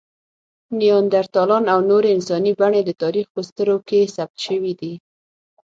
نیاندرتالان او نورې انساني بڼې د تاریخ په سترو پېښو کې ثبت شوي دي.